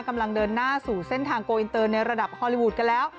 กำลังเดินหน้าสู่เส้นทางโกอินเตอร์ในระดับฮอลลีวูดกันแล้ว